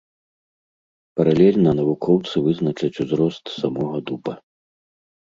Паралельна навукоўцы вызначаць узрост самога дуба.